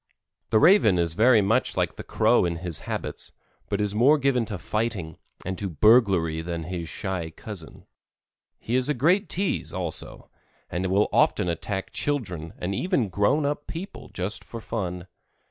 The Raven is very much like the Crow in his habits, but is more given to fighting and to burglary than his shy cousin. He is a great tease, also, and will often attack children and even grown up people just for fun.